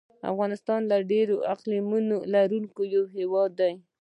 افغانستان د ډېرو اقلیمونو لرونکی یو هېواد دی.